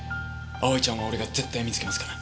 蒼ちゃんは俺が絶対見つけますから。